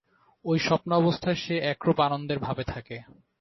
ঐ স্বপ্নাবস্থায় সে একরূপ আনন্দের ভাবে থাকে।